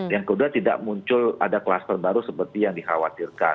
yang kedua tidak muncul ada kluster baru seperti yang dikhawatirkan